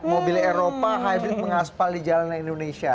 mobil eropa hybrid mengaspal di jalanan indonesia